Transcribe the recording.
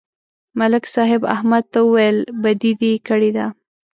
ملک صاحب احمد ته وویل: بدي دې کړې ده